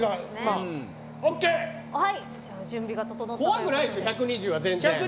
怖くないでしょ１２０は全然。